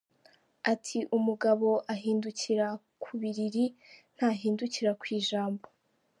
Ati “Umugabo ahindukira ku biriri ntahindukira ku ijambo”.